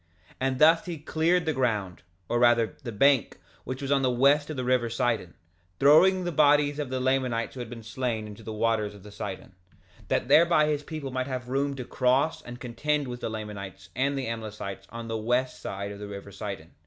2:34 And thus he cleared the ground, or rather the bank, which was on the west of the river Sidon, throwing the bodies of the Lamanites who had been slain into the waters of Sidon, that thereby his people might have room to cross and contend with the Lamanites and the Amlicites on the west side of the river Sidon.